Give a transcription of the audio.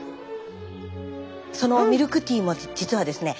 そのミルクティーも実はですね